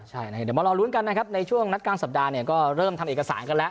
ใช่นะครับเดี๋ยวมารอลุ้นกันนะครับในช่วงนัดกลางสัปดาห์เนี่ยก็เริ่มทำเอกสารกันแล้ว